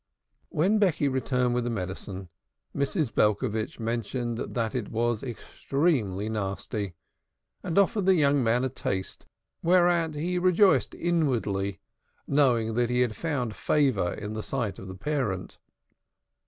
When Becky returned with the medicine, Mrs. Belcovitch mentioned that it was extremely nasty, and offered the young man a taste, whereat he rejoiced inwardly, knowing he had found favor in the sight of the parent.